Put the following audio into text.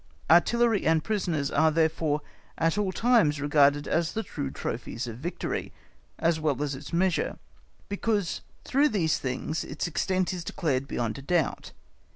Artillery and prisoners are therefore at all times regarded as the true trophies of victory, as well as its measure, because through these things its extent is declared beyond a doubt.